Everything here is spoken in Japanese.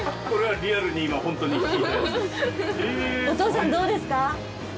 お父さんどうですか？